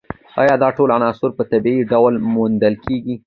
ایا دا ټول عناصر په طبیعي ډول موندل کیږي